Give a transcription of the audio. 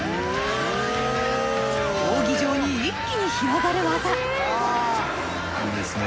扇状に一気に広がる技。